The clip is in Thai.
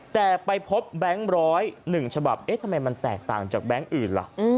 แต่ไปพบแบงค์๑๐๑ฉบับเอ๊ะทำไมมันแตกต่างจากแบงค์อื่นล่ะ